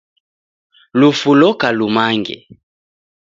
Lufu loka lumange